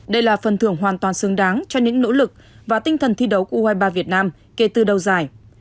đây là phần thưởng hoàn toàn xứng đáng cho những nỗ lực và tinh thần thi đấu u hai mươi ba việt nam kể từ lâu dài